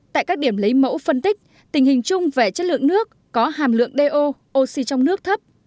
tại các điểm lấy mẫu phân tích tình hình chung về chất lượng nước có hàm lượng do oxy trong nước thấp